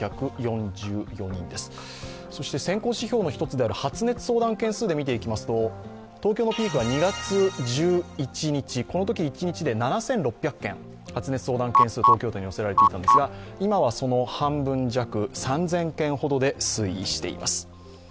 先行指標の一つである発熱相談件数で見てみますと、東京のピークは２月１１日、このとき一日で７６００件、発熱相談が東京都に寄せられチタンですが今はその半分弱、約３０００で推移しています。